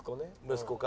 「息子か」